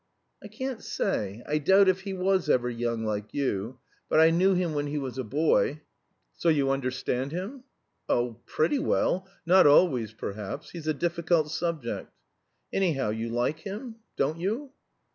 "I can't say. I doubt if he was ever young like you. But I knew him when he was a boy." "So you understand him?" "Oh, pretty well. Not always, perhaps. He's a difficult subject." "Anyhow, you like him? Don't you?"